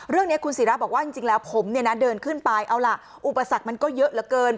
เรื่องนี้คุณศิราบอกว่าจริงแล้วผมเนี่ยนะเดินขึ้นไปเอาล่ะอุปสรรคมันก็เยอะเหลือเกิน